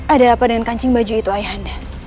ada apa dengan kancing baju itu ayah anda